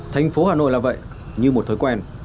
thành phố hà nội là vậy như một thói quen